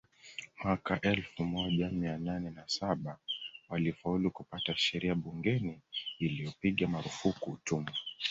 Mwaka elfu moja mia nane na saba walifaulu kupata sheria bungeni iliyopiga marufuku utumwa